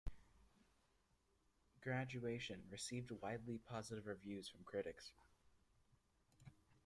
"Graduation" received widely positive reviews from critics.